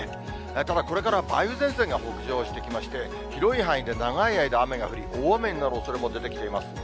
ただ、これからは梅雨前線が北上してきまして、広い範囲で長い間、雨が降り、大雨になるおそれも出てきています。